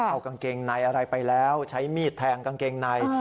เอากางเกงในอะไรไปแล้วใช้มีดแทงกางเกงใน